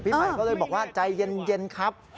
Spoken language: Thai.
ใหม่ก็เลยบอกว่าใจเย็นครับ